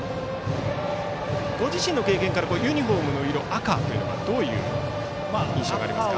ご自身の経験からユニフォームの色が赤はどういう印象ですか。